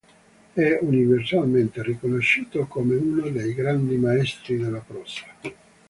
È universalmente riconosciuto come uno dei grandi maestri della prosa.